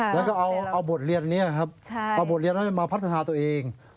แล้วก็เอาบทเรียนนี้ครับเอาบทเรียนให้มาพัฒนาตัวเอง